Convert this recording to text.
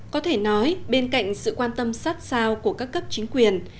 có thể nói bên cạnh sự quan tâm sát sao của các cấp chính quyền